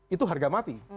itu harga mati